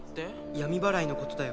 闇祓いのことだよ